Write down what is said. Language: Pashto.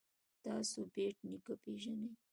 تاسو بېټ نیکه پيژنئ.